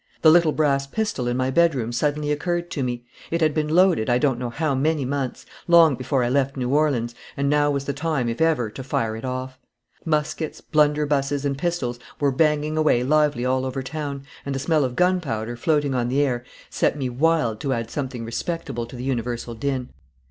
The little brass pistol in my bedroom suddenly occurred to me. It had been loaded I don't know how many months, long before I left New Orleans, and now was the time, if ever, to fire it off. Muskets, blunderbusses, and pistols were banging away lively all over town, and the smell of gunpowder, floating on the air, set me wild to add something respectable to the universal din.